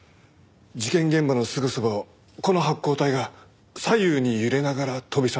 事件現場のすぐそばをこの発光体が左右に揺れながら飛び去ったそうです。